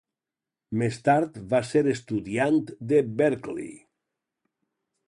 Més tard va ser estudiant de Berklee.